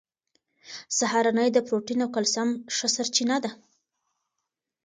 سهارنۍ د پروټین او کلسیم ښه سرچینه ده.